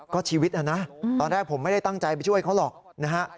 ก็ชีวิตนะนะตอนแรกผมไม่ได้ตั้งใจไปช่วยเขาหรอกนะฮะ